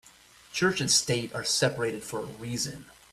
Church and state are separated for a reason.